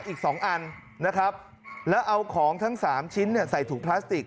อีก๒อันนะครับแล้วเอาของทั้ง๓ชิ้นใส่ถุงพลาสติก